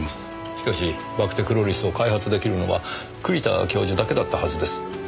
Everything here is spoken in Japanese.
しかしバクテクロリスを開発できるのは栗田教授だけだったはずです。